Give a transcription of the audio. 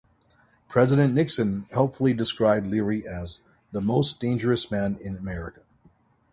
President Nixon helpfully described Leary as "the most dangerous man in America".